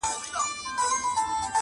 • خو بلوړ که مات سي ډیري یې ټوټې وي -